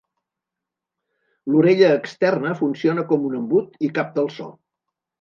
L'orella externa funciona com un embut i capta el so.